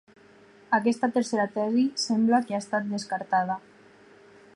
Aquesta tercera tesi sembla que ha estat descartada.